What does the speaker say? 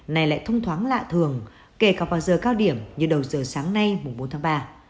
này lại thông thoáng lạ thường kể cả vào giờ cao điểm như đầu giờ sáng nay bốn tháng ba